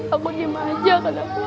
aku nyimah aja kenapa